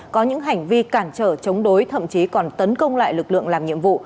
có những hành vi cản trở chống đối thậm chí còn tấn công lại lực lượng làm nhiệm vụ